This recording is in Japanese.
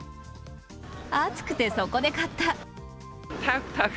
暑くてそこで買った。